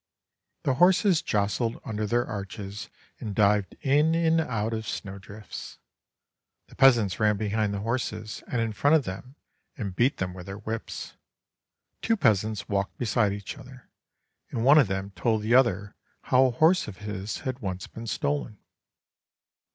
The horses j(jstled under their arches, and dived in and out of snow drifts. The peasants ran behind the horses and in front of them, and beat them with their whip.'^. Two peasants walked beside each other, and one of them told the other how a horse of his had once been stolen.